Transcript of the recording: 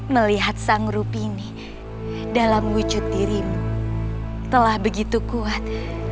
melihat sang rupini dalam wujud dirimu telah begitu kuat